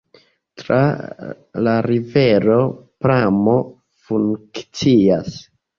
Tra la rivero pramo funkcias.